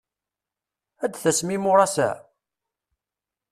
Ad d-tasem imuras-a?